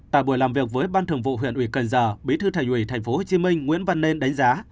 tại buổi làm việc với ban thường vụ huyện huyện cần giờ bí thư thầy huyện tp hcm nguyễn văn nên đánh giá